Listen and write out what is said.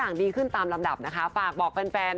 ออกงานอีเวนท์ครั้งแรกไปรับรางวัลเกี่ยวกับลูกทุ่ง